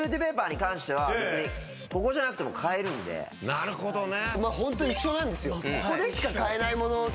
なるほどね。